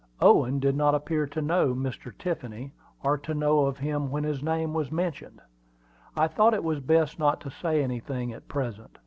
Owen did not appear to know Mr. Tiffany, or to know of him when his name was mentioned. I thought it was best not to say anything at present.